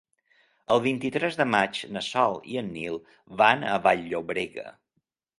El vint-i-tres de maig na Sol i en Nil van a Vall-llobrega.